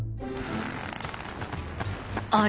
あれ？